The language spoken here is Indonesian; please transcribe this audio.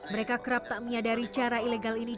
mereka kerap tak menyadari cara ilegal ini